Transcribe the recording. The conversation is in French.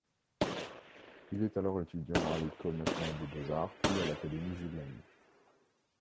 Il est alors étudiant à l'École nationale des Beaux-arts puis à l'Académie Julian.